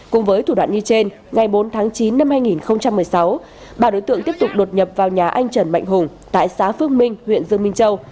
cùng với thủ đoạn như trên ngày bốn tháng chín năm hai nghìn một mươi sáu ba đối tượng tiếp tục đột nhập vào nhà anh trần mạnh hùng tại xã phước minh huyện dương minh châu